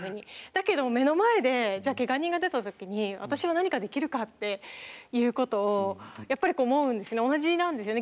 だけど目の前でけが人が出た時に私は何ができるかっていうことをやっぱり思うんですね同じなんですよね。